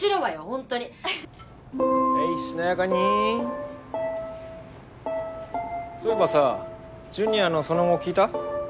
ほんとにはいしなやかにそういえばさジュニアのその後聞いた？